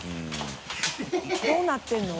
どうなってるの？